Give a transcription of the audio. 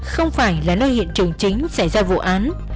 không phải là nơi hiện trường chính xảy ra vụ án